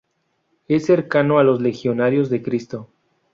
Es cercano a los Legionarios de Cristo.